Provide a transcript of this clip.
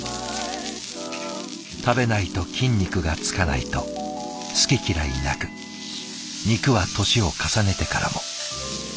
「食べないと筋肉がつかない」と好き嫌いなく肉は年を重ねてからも。